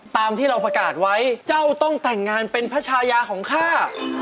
ตามที่เราประกาศไว้เจ้าต้องแต่งงานเป็นพระชายาของข้า